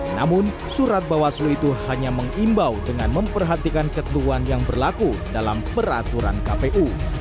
namun surat bawaslu itu hanya mengimbau dengan memperhatikan ketentuan yang berlaku dalam peraturan kpu